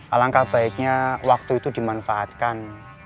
alangkah baiknya waktu itu dimanfaatkan